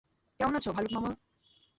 কেমন আছো, ভালুক মামা?